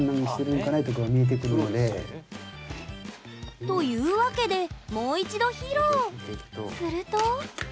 というわけでもう一度披露。